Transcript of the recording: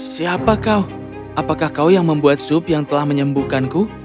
siapa kau apakah kau yang membuat sup yang telah menyembuhkanku